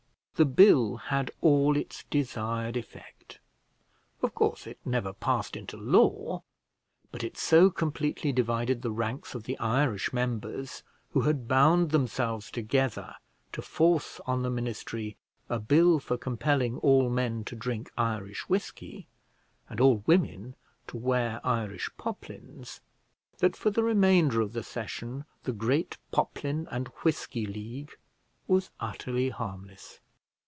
The bill had all its desired effect. Of course it never passed into law; but it so completely divided the ranks of the Irish members, who had bound themselves together to force on the ministry a bill for compelling all men to drink Irish whiskey, and all women to wear Irish poplins, that for the remainder of the session the Great Poplin and Whiskey League was utterly harmless.